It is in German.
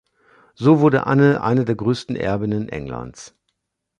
So wurde Anne eine der größten Erbinnen Englands.